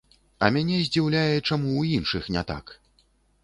А мяне здзіўляе, чаму ў іншых не так?